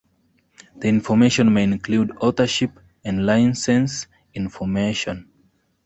The information may include authorship and licence information.